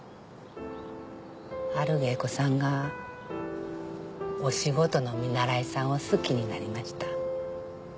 ある芸妓さんがお仕事の見習いさんを好きになりました。